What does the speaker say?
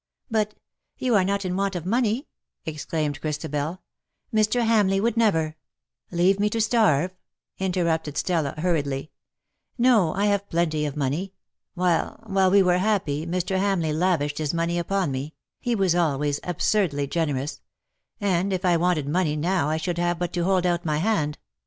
^^" But — you are not in want of money ?'^ exclaimed Christabel. " Mr. Hamleigh would never '^" Leave me to starve,'^ interrupted Stella, hur riedly j "no, I have plenty of money. While — while we were happy Mr. Hamleigh lavished his money upon me — ^he was always absurdly generous — and if I wanted money now I should have but to hold out my hand.